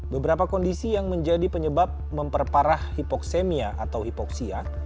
beberapa kondisi yang menjadi penyebab memperparah hipoksemia atau hipoksia